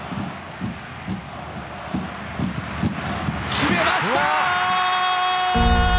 決めました！